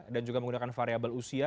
dan juga menggunakan variable usia